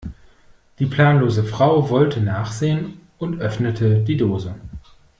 Die planlose Frau wollte nachsehen und öffnete die Dose.